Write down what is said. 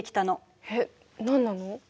えっ何なの？